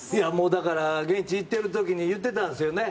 だから現地に行っている時に言ってたんですよね。